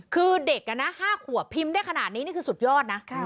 คือเด็ก๕ขวบพิมพ์ได้ขนาดนี้นี่คือสุดยอดนะ